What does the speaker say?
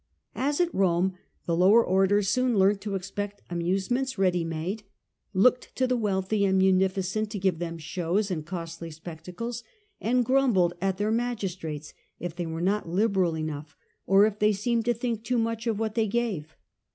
As at Rome, the lower orders soon learnt to expect amusements ready made, looked to the wealthy and munificent to give them shows and costly xhc liberal spectacles, and grumbled at their magis trates if they were not liberal enough, or if enedtfie they seemed to think too much of what they J^goVcra gave.